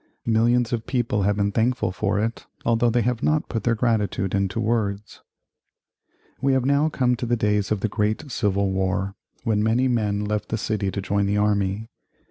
Millions of people have been thankful for it, although they have not put their gratitude into words. We have now come to the days of the Great Civil War, when many men left the city to join the army.